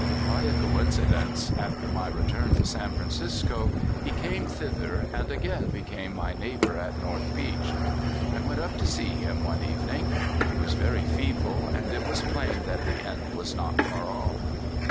By a coincidence, after my return to San Fran cisco, he came thither, and again became my neigh bor at North Beach. I went up to see him one evening. He was very feeble, and it was plain that the end was not far off.